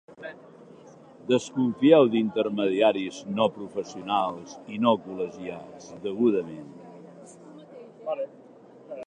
Desconfieu d'intermediaris no professionals i no col·legiats degudament.